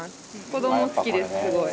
子ども好きですすごい。